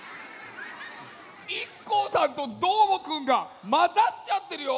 ＩＫＫＯさんとどーもくんがまざっちゃってるよ。